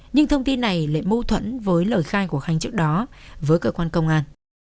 nhưng thông tin này lại mâu thuẫn với lời khai của khanh trước đó với cơ quan công an